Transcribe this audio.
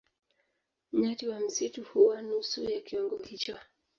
Nyati wa msitu huwa nusu ya kiwango hicho.